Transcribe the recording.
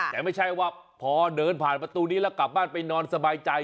แต่ไม่ใช่ว่าพอเดินผ่านประตูนี้แล้วกลับบ้านไปนอนสบายใจ